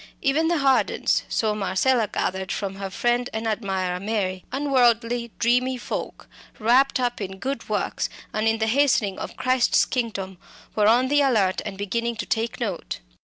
Even the Hardens so Marcella gathered from her friend and admirer Mary unworldly dreamy folk, wrapt up in good works, and in the hastening of Christ's kingdom, were on the alert and beginning to take note.